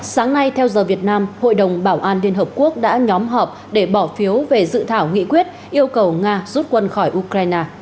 sáng nay theo giờ việt nam hội đồng bảo an liên hợp quốc đã nhóm họp để bỏ phiếu về dự thảo nghị quyết yêu cầu nga rút quân khỏi ukraine